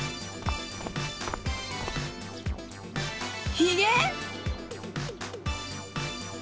ひげ⁉